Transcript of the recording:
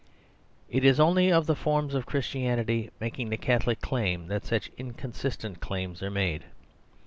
It is only of the forms of Christianity making the Catholic claim that such inconsistent claims are made.